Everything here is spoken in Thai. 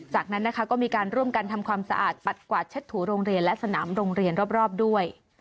จากนั้นนะคะก็มีการร่วมกันทำความสะอาดปัดกวาดเช็ดถูโรงเรียนและสนามโรงเรียนรอบด้วย